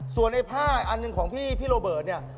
ส่วนในผ้าอันหนึ่งของพี่โรเบิร์ตเนี่ย